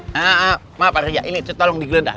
maaf pak ria ini tolong digledah